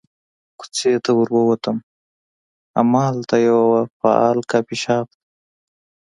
کوڅې ته ور ووتم، همالته یوه فعال کافي شاپ ته.